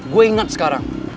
gue inget sekarang